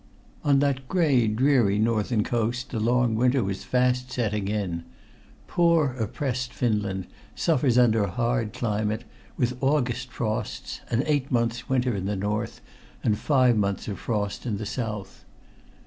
On that gray, dreary northern coast the long winter was fast setting in. Poor oppressed Finland suffers under a hard climate with August frosts, an eight months' winter in the north, and five months of frost in the south.